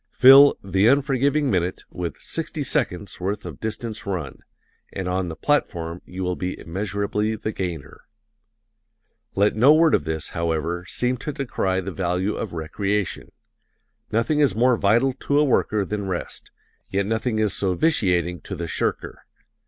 Fill "the unforgiving minute" with "sixty seconds' worth of distance run" and on the platform you will be immeasurably the gainer. Let no word of this, however, seem to decry the value of recreation. Nothing is more vital to a worker than rest yet nothing is so vitiating to the shirker.